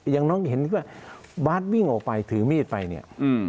อย่างน้องเห็นว่าบาสวิ่งออกไปถือมีดไปเนี่ย